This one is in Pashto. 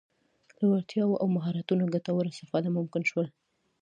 له وړتیاوو او مهارتونو ګټوره استفاده ممکن شول.